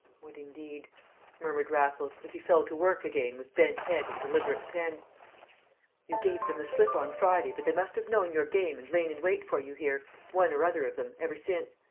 "What, indeed!" murmured Raffles, as he fell to work again with bent head and deliberate pen. "You gave them the slip on Friday, but they must have known your game and lain in wait for you here, one or other of them, ever since.